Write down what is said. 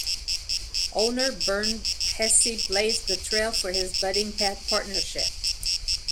Owner Bernd Hesse blazed the trail for this budding partnership.